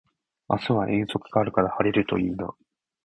明日は遠足があるから晴れるといいな